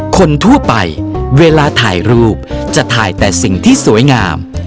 คนทั่วไปเวลาถ่ายรูปจะถ่ายแต่สิ่งที่สวยงาม